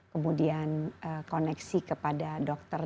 kemudian koneksi kepada dokter